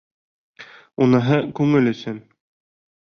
Уныһы күңел өсөн.